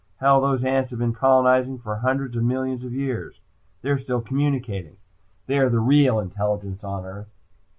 Hell, those ants have been colonizing for hundreds of millions of years. They're still communicating. They are the real intelligence on the earth!"